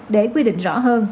để quy định rõ hơn